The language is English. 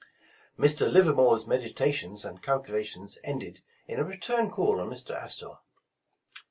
Mr. Livermore's meditations and calculations ended in a return call on Mr. Astor.